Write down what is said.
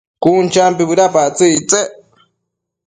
Cun champi bëdapactsëc ictsec